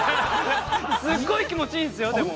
◆すごい気持ちいいんですよ、でも。